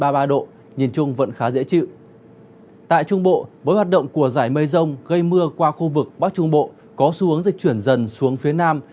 tại trung bộ với hoạt động của giải mây rông gây mưa qua khu vực bắc trung bộ có xu hướng dịch chuyển dần xuống phía nam